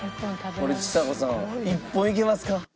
これちさ子さん一本いけますか？